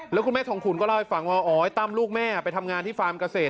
แล้วคุณแม่ทองคุณก็เล่าให้ฟังว่าอ๋อไอ้ตั้มลูกแม่ไปทำงานที่ฟาร์มเกษตร